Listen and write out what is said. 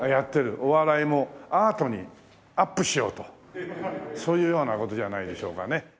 お笑いもアートにアップしようとそういうような事じゃないでしょうかね。